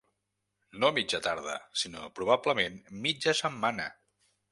No mitja tarda, sinó probablement mitja setmana.